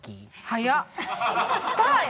はい。